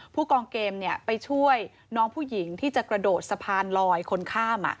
ผู้กองเกมไปช่วยน้องผู้หญิงที่จะกระโดดสะพานลอยคนข้าม